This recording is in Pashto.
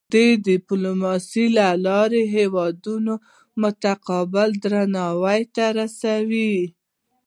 د ډیپلوماسۍ له لارې هېوادونه متقابل درناوی ته رسي.